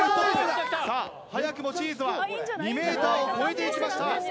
早くもチーズは２ｍを超えて行きました。